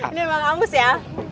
ini emang angus ya